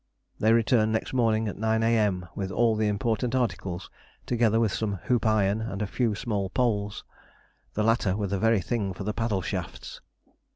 They returned next morning at 9 A.M. with all the important articles, together with some hoop iron and a few small poles. The latter were the very thing for the paddle shafts.